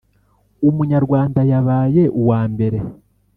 Umunyarwanda yabaye uwa mbere